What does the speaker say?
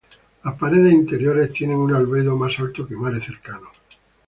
Las paredes interiores tienen un albedo más alto que mare cercano.